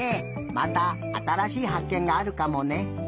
またあたらしいはっけんがあるかもね。